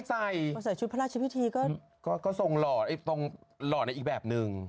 เจ้าชายชุดพระราชพิธีก็ส่งหล่อในอีกแบบนึง